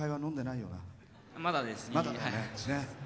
まだです。